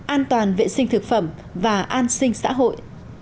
an toàn vệ sinh thực phẩm và an sinh xã hội